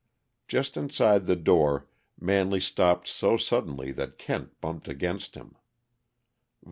Just inside the door Manley stopped so suddenly that Kent bumped against him.